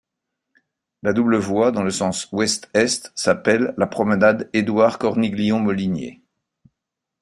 La double voie, dans le sens ouest-est s'appelle la promenade Édouard Corniglion-Molinier.